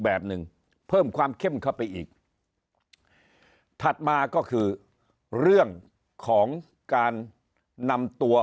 แบบหนึ่งเพิ่มความเข้มเข้าไปอีกถัดมาก็คือเรื่องของการนำตัว